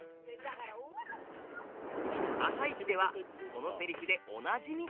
「あさイチ」ではこのセリフでおなじみ。